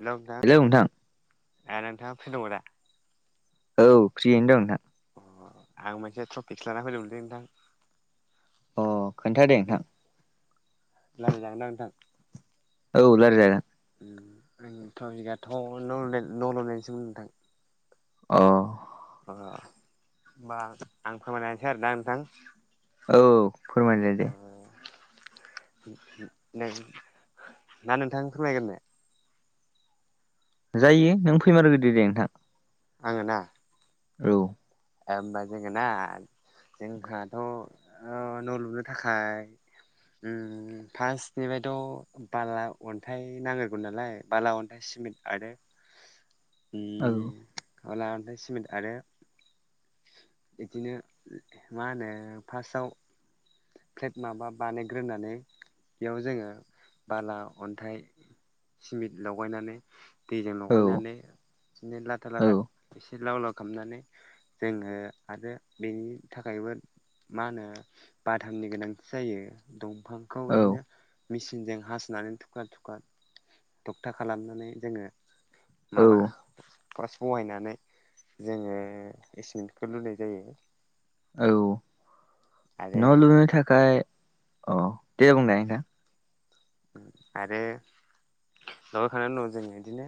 Hello नोंथां नोंथाङा free दङ दा? औ ख्रियैनो दं नोंथां। अ आं मोनसे टफिकसो लाना फैदोंमोनलै नोंथां। अ खोन्थादे नोंथां। रायलाय जागोनदां नोंथां। औ रायलायजागोन। आंनि टपिकथ' नरमेल नरमेल'सोमोन नोंथां। अ। अ होमबा आं फोरमायनोसै आरोना नोंथां। औ फोरमायदो दे। नों ना नोंथां फोरमायगोरनो। जायो नों फोरमायगोरदो दे नोंथां। आङो ना। औ। होमबा जोङोना जोंहाथ न' लुनो थाखाय फार्स्टनिफ्रायथ बाला अन्थाइ नांगोरगौ नालाय बाला अन्थाइ सिमेन्ट आरो औ बाला अनथाय सिमेन्ट आरो बिदिनो मा होनो फार्स्टआव। फ्लेट माबा बानायग्रोनानै बेयाव जोङो बाला अन्थाइ सिमेन्ट लगायनानै दैजों लगायनानै बिदिनो लाथा लाथा औ एसे लाव लाव खालामनानै जोङो आरो बेनि थाखायबो मा होनो बाथामनि गोनांथि जायो दंफांखौ औ इदिनो मेसिनजों हासुनानै थुख्रा थुख्रा थक्था खालामनानै जोङो औ माबा फस बहायनानै जोङो एसमेन्टखौ लुनाय जायो। औ आरो न' लुबैनो थाखाय औ दे बुंनाय नोंथां। आरो लगायखांनायनि उनाव जोङो इदिनो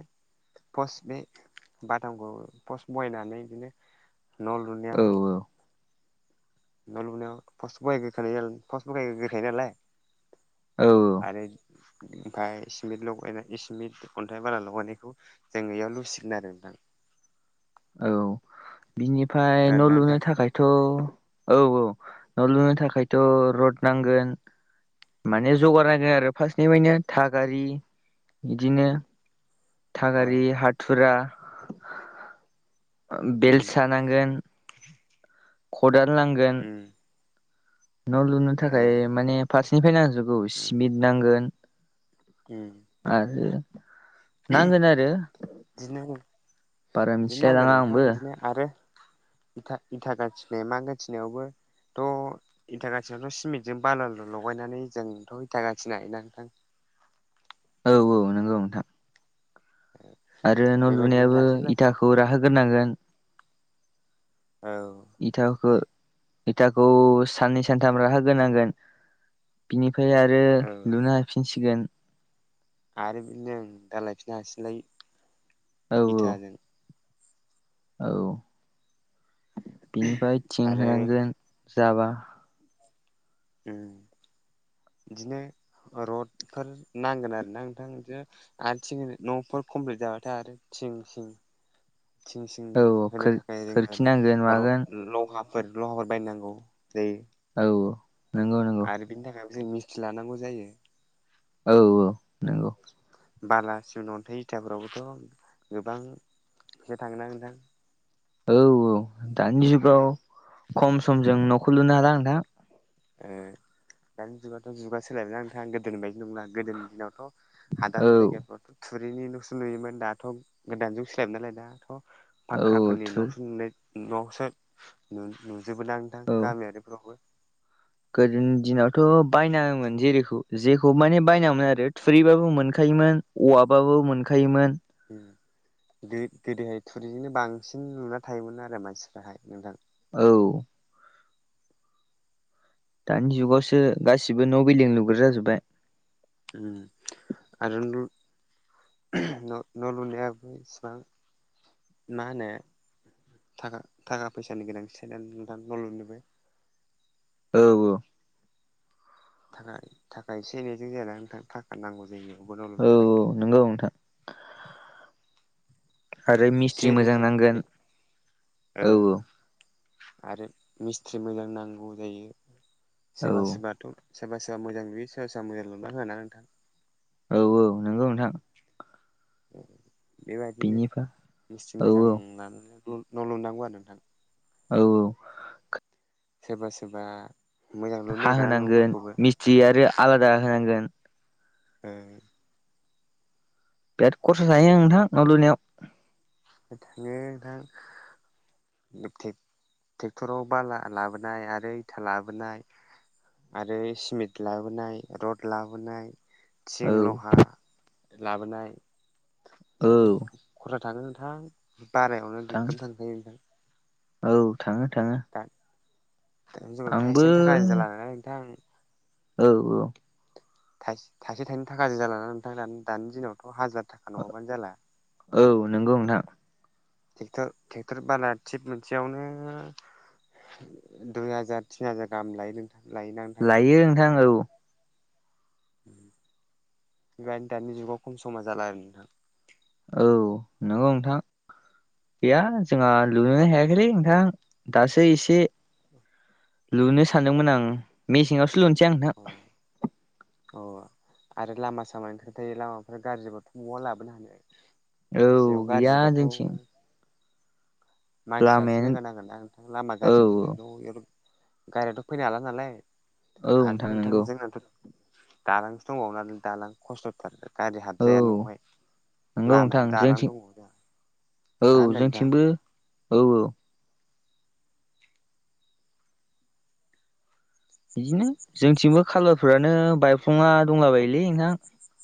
पस बे बादामखौ पस बहायनानै बिदिनो न' लुनायाव औ औ न' लुबनायाव पस बहाय गोरखायो पस्ट गोरखायो नालाय औ आरो ओमफ्राय सिमेट लगायनाय सिमेट अन्थाइ बाला लगायनायखौ जों बेयाव लुसिगोन आरो नोंथां औ बिनिफ्राय न' खोनादोंना लुनो नोंथां? थाखायथ औ औ न' लुनो थाखायथ रड नांगोन माने जगारानांगोन आरो फार्स्टनिफ्रायनो थागारि इदिनो अ थागारि हाथुरा उम बेलसा नांगोन खदान लांगोन ओम न' लुनो थाखाय माने फारसेनिफ्राय नांजोबगौ सिमिट नांगोन ओम आरो नांगोन आरो बिदिनो बारा बिदिनो मिथिलाय नांगोन लाङा नोंथां आंबो बिदिनो आरो इथा इथा गाथिनाय माा गाथिनायावबो थ' इथा गाथिनायावथ' सिमेन्टजों बालाजों लगायनानै जोंथ' इथा गाथिनो हायो ना नोंथां औ औ नंगौ नोंथां आरो न' बेबायदिनो लुनायाबो लासै लासै इथाखौ राहोग्रोनांगोन औ इथाखौ इथाखौ साननै सानथाम राहो ग्रोनांगोन बिनिफ्राय आरो औ लुनो हाफिनसिगोन आरो बिदिनो दा लायफिननो हासिगोनलाय औ इथाजों औ बिनिफ्राय थिं आरो होनांगोन जाबा ओ बिदिनो रडफोर नांगोन आरोना नोंथां बिदिनो आरो थिं न'फोर कमप्लिट जाबाथाय आरो थिं सिं थिं सिं औ औ होनो खोर थाखाय जों खोरखि नांगोन मागोन लहा फोर लहाफोर बायनांगौ जायो औ नोंगौ नोंगौ बेनि थाखायबो जों मिस्ट्रि लानांगौ जायो औ औ नंगौ बाला सिमेन्ट अन्थाइ इथाफोरावबोथ' गोबां फैसा थांङो ना नोंथां औ औ दानि जुगाव खम समजों न'खौ लुनो हाला नोंथां ओ दानि जुगावथ' जुगा सोलायबायना नोंथां गोदोनि बायदि नंला गोदोनि दिनावथ' औ हादान जायगाफोराथ' थुरिनिल'सो लुयोमोन दाथ' गोदान जुग सोलायबाय नालाय दाथ' औ फाक्काफोरनि थुर न'सो नुनाय न'आवसो नुजोबो दां नोंथां औ गामियारिफोरावबो गोदोनि दिनावथ' बायनाङामोन जेरैखौ जेखौ माने बायनाङामोन आरो थुरिबाबो मोनखायोमोन औवाबाबो मोनखायोमोन गोदोहाय टुरिजोंनो बांसिन लुना थायोमोन आरो मानसिफ्राहाय नोंथां औ दानि जुगावसो गासिबो न' बिल्डिं लुग्रा जाजोब्बाय उ आरो न' लुनायाबो इसिबां मा होनो थाखा थाखा फैसानि गोनांथि सानानै नोंथां न' लुनोबो औ औ थाखाय एसे एनैजों जाया ना नोंथां थाखा नांगौ जायो न' लुनो औ थाखाय औ नंगौ नोंथां आरो मिस्थ्रि एसे मोजां एनैजों नांगोन ओ औ आरो मिस्थ्रि मोजां नांगौ जायो औ सोरबा सोरबाथ' सोरबा सोरबा मोजां लुयो सोरबा सोरबा मोजां लुना होआ ना नोंथां औ औ नोंगौ नोंथां। बेबायदिनो बिनिफ्राय मिस्थ्रि औ मोजां लानानै न' लुनांगौ आरो नोंथां। औ औ सोरबा सोरबा मोजां लुनो हा नागिरा होनांगोन न'फोरखौबो मिस्थि आरो आलादा होनांगोन ओ बिराद खरसा जायो नोंथां न' लुनायाव [unintelligible] नोंथां [unintelligible] धुबटेक ट्रेक्टराव बाला लाबोनाय आरो इटा लाबोनाय आरो सिमेन्ट लाबोनाय रड लाबोनाय औ थिं लहा लाबोनाय औ जोबोद खराख थाङो नोंथां। बारायावनो नोंथां गोगोम थांखायो नोंथां औ थाङो थाङो दा जों' थाइसे आंबो थाइनै थाखा जालालाय नोंथां [unintelligible] औ औ थाइसे थाइनै थाखाजो जाालाना नोंथां दानि दिनावथ' हाजार थाखा नङाबानो जाला? औ नोगौ नोंथां। ट्रेक्टर ट्रेक्टर बाला थिब मोनसेयावनो दुइ हाजार तिन हाजार गाहाम लायो नोंथां लायोना नोंथां? लायो नोंथां औ [unintelligible] दानि जुगाव खम समा जाला आरो नोंथां औ नंगौ नोंथां। गैया जोंहा लुोनोनो हायाखैलै नोंथां दासो एसे औ लुनो सानदोंमोन आं मेसेंङावसो लुनो अ अ आरो लामा सामानि खोथा थायो लामाफ्रा गाज्रिबाथ' बहा लाबोनो हानो। औ ससेयाव गैया जोंथिं गाज्रिबाथ'? मानसियासो लामायानो रोगानांगोन ना नोंथां लामा औ गाज्रिनि थाखायल' गारियाथ' फैनो हाला नालाय औ आरो नोंथां नंगौ जोंनाथ' दालांसो दंबाव नाय दालां खस्थ'थारगोन गारि औ हाबजाया न'आवहाय नंगौ नोंथां लामायाव दालां जोंथिं दङ जोंहा। औ मा होनदों नोंथाङां। जोंथिंबो औ औ बिदिनो जोंथिंबो खालबारफोरानो बायफ्लंला दंला बायोलै नोंहां।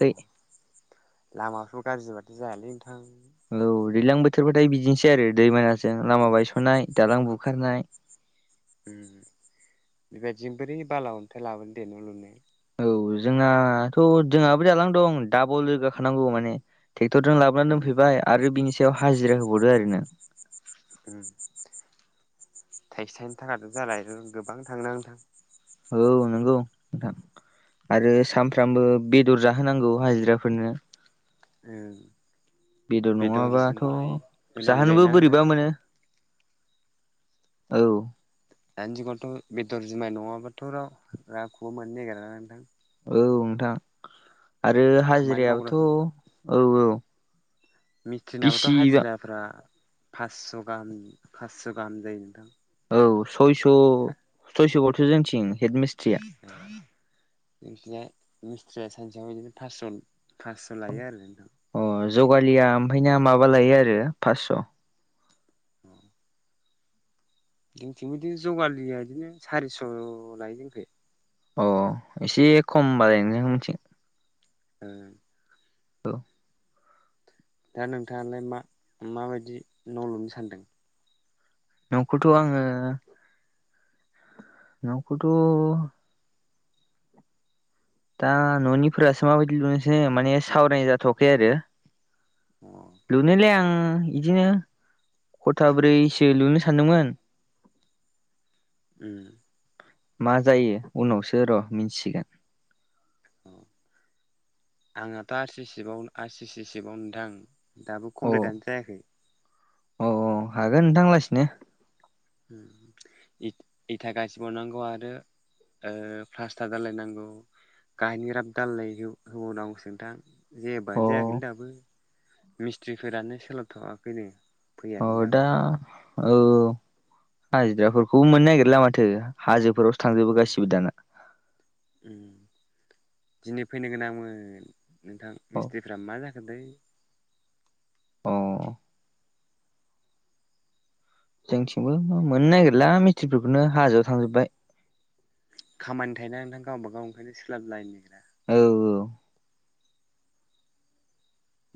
अ लामाफ्र' गाज्रिबाथाइ जायालै नोंथां। औ दैज्लां बोथोरबथाय बिदिनोसै आरो दैबानाजों लामा उम बायस'नाय दालां बुखारनाय उम बेबायदिजों बोरै बाला अन्थाइ लाबोनो दे न' लुनो। औ जोंहाथ' जोंहाबो दालां दं डाबलोगाखानांगौ माने ट्रेक्टरजों लाबोनानै उम दोनफैबाय आरो बिनि सायाव हाजिरा होबावदो आरो नों थाइसे थायनै थाखाजों जाला गोबां थांनो नोंथां? औ नंगौ नोथां। आरो सामफ्रामबो बेदर जाहोनांगौ हाजिराफोरनो ए बेदर नङाबाथ' होनांगौ जाहोनोबो जायोना नोंथां बोरैबा मोनो औ दानि जुगावथ' बेदर जुमाय नङाबाथ' राव रावखौबो मोननो नागिरा नोंथां। औ नोंथां आरो खामानि हाजिरायाबोथ' मावग्राफोरनो औ औ मिस्ट्रिनाबोथ' बिसिबा हाजिराफ्रा फासस' गाहाम फास्स' गाहाम जायो नोंथां? औ सयस' सयस' बाथ जोंथिं हेड मिस्ट्रिया [unintelligible] एखैजाय मिस्थ्रिया सानसेआव बिदिनो फासस' फासस' लायो आरो नोंथां अ जगालिया ओमफ्राय दा माबा लायो आरो फासस' औ जोंथिंबो बिदिनो जगालिया बिदिनो सारिस' लायो जोंखै अ एसे खम बारायनो उनथिं उम औ दा नोंथाङालाय मा माबायदि न' लुनो सानदों न'खौथ' आङो नखौथ' दा न'निफोरासो माबायदि लुनोसै माने सावरायनाय जाथ'खै आरो अ लुनायालाय आं इदिनो खथाब्रैसो लुनो सानदोंमोन उम मा जायो उनावसो र' मिथिसिगोन अ आंनाथ' आर सि सिबाव आर सि सि सिबाव नोंथां दाबो अ कमप्लिटानो जायाखै अ औ हागोन नोंथां लासिनो ओम इथ इथा गासिबावनांगौ आरो ओ प्लासटार दालायनांगौ गाहायनि राब दालाय होबावनांगौसो नोंथां अ जेबोआनो जायाखैलै दाबो मिस्थ्रिफोरानो सोलाबथ'वाखैनो अ फैयाखैनो दा दाबो औ हाजिराफोरखौबो मोननो नागिरला माथो हाजोफोरावसो थांजोबो उम गासिबो दाना उम दिनै फैनो गोनां आंमोन नोंथां अ मिस्ट्रिफ्रा मा जाखो गोदै अ जोंनिथिंबो मोननो नागिरला मिस्थ्रिफोरखौनो हाजोआव थांजोब्बाय खामानि थायोना नोंथां गावबागाव ओंखायनो सोलाबलायनो नागिरा औ औ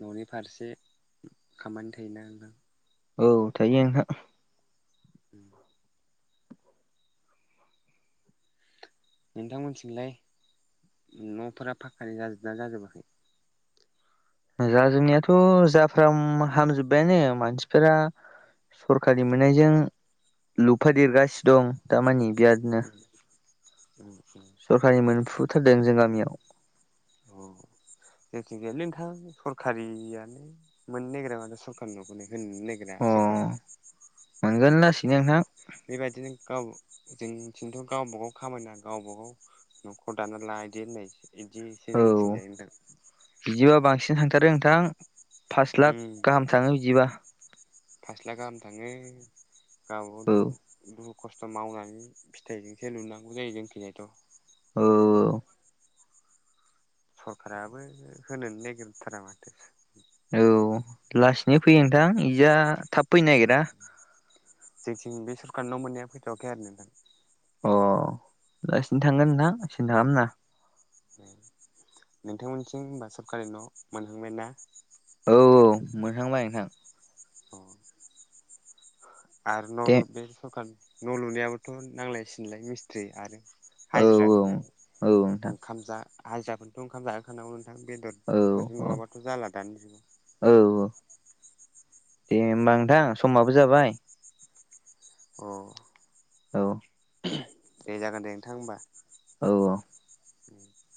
न'नि फारसे खामानि थायोना नोंथां औ थायो नोंथां [inaudible] नोंथांमोनथिंलाय न'फोरा फाखानि जाजोबदोना जाजोबाखै जाजोबनायाथ' जाफ्राम हामजोबबायानो मानसिफोरा सरखारि उम मोननायजों लुफादेरगासिनो दं दामानि बिरादनो औ औ सरखारि मोनफुथारदों जों गामियाव अ जायखि जाया नोंथां सरकारियानो मोननो नागिरा माथ सरकारिनि न'खौनो होनोनो नागि रा अ सरकारा मोनगोन लासैनो नोंथां बेबायदिनो गाव जोंथिंथ' गावबागाव खामायना गावबा गाव न'खर दाना ला इदि होननायसो इदिसो औ जोंनिथिंजाय नोंथां बिदिबा बांसिन थांथारो नोंथां पास लाख गाहाम थाङो बिदिबा फास लाख गाहाम थाङो गावबाव औ दुखु दुख खस्थ' मावनानै फिथाइजोंसो लुनांगौ जायो जोंनिथिंजायथ ओ सरखाराबो होनोनो नागिरथारा माथो औ लासैनो फैयो नोंथां इथा थाब फैनो नागिरायो। जोंनिथिं बे सरखारनि न' मोननाया फैथावाखै आरो नोंथां। अ लासैनो थांगोन नोंथां सिन्था खालामनानै नोंथांमोननिथिं होनबा सरकारि न' मोनहांबाय नानो औ मोनहांबाय नोंथां। अ [unintelligible] आरो न' दे लु बे सरखार न' लुनायाबोथ' नांलाय सिनलाय मिस्थ्रि आरो ना औ हाजिरा होनाय औ नोंथां ओंखाम जा हाजिराफोरनोथ' ओंखाम जाहोखानांगौ नोंथां बेदर औ औ ओ दे होनबा नोंथां समाबो जाबाय। अ। औ। दे जागोन दे नोंथां होमबा। औ। [unintelligible]